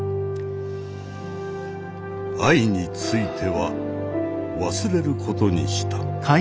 愛については忘れることにした。